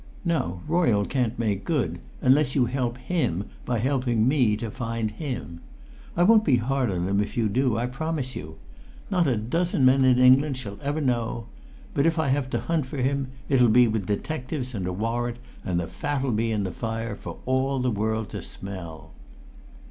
"Now, Royle can't make good unless you help him by helping me to find him. I won't be hard on him if you do, I promise you! Not a dozen men in England shall ever know. But if I have to hunt for him it'll be with detectives and a warrant, and the fat'll be in the fire for all the world to smell!"